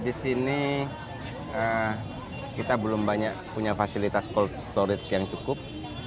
di sini kita belum banyak punya fasilitas cold storage yang cukup